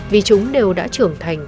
vì chúng đều đã trưởng thành